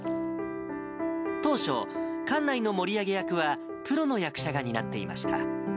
当初、館内の盛り上げ役はプロの役者が担っていました。